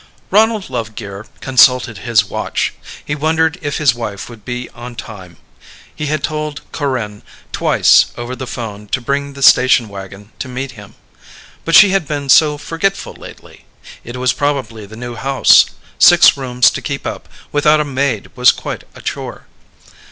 Ronald Lovegear consulted his watch. He wondered if his wife would be on time. He had told Corinne twice over the phone to bring the station wagon to meet him. But she had been so forgetful lately. It was probably the new house; six rooms to keep up without a maid was quite a chore.